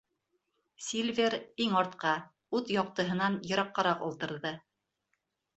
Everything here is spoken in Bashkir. Сильвер иң артҡа, ут яҡтыһынан йыраҡҡараҡ ултырҙы.